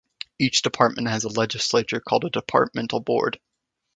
Each department has a legislature called a Departmental Board.